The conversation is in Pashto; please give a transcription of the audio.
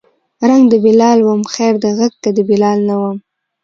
رنګ د بلال وم خیر دی غږ که د بلال نه وم